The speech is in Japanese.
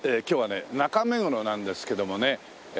今日はね中目黒なんですけどもね